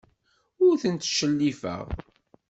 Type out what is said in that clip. Ur ten-ttcellifeɣ.